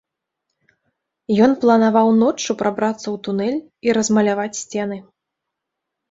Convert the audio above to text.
Ён планаваў ноччу прабрацца ў тунэль і размаляваць сцены.